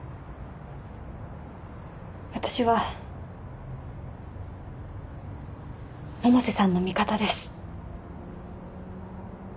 私は百瀬さんの味方です